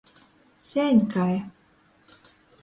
Seņ kai.